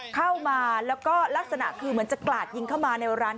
เข้ามาแล้วก็ลักษณะคือเหมือนจะกลาดยิงเข้ามาในร้าน